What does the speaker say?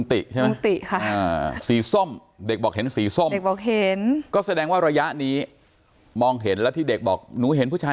แต่ติเรียกตัวเองว่าลุงก็ถูกแล้วนะคะ